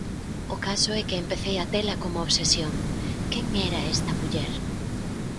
O caso é que empecei a tela como obsesión, quen era esta muller?